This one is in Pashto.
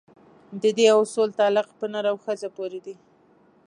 د دې اصول تعلق په نر او ښځې پورې دی.